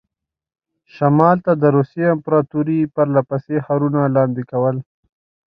شمال ته د روسیې امپراطوري پرله پسې ښارونه لاندې کول.